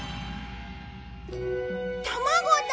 卵だ！